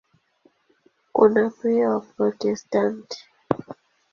Kuna pia Waprotestanti.